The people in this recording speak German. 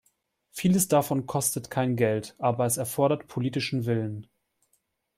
Vieles davon kostet kein Geld, aber es erfordert politischen Willen.